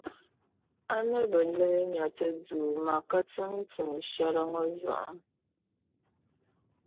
a ni bi lihi nya Ti Duuma ka tum tuun’ shɛli ŋɔ zuɣu.